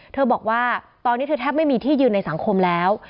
บอกว่าตอนนี้เธอแทบไม่มีที่ยืนในสังคมแล้ว